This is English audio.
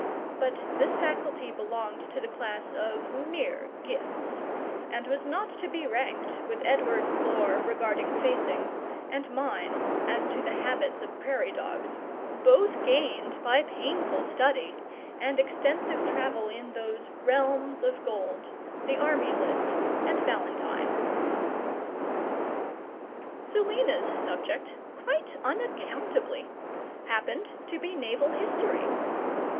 But this faculty belonged to the class of mere gifts, and was not to be ranked with Edward's lore regarding facings, and mine as to the habits of prairie dogs, both gained by painful study and extensive travel in those "realms of gold," the Army List and Ballantyne. Selina's subject, quite unaccountably, happened to be naval history.